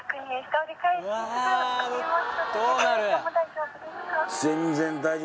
☎大丈夫ですか？